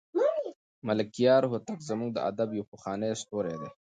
ملکیار هوتک زموږ د ادب یو پخوانی ستوری دی.